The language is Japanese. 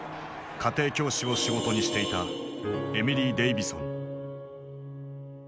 家庭教師を仕事にしていたエミリー・デイヴィソン。